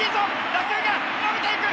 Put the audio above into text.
打球が伸びていく！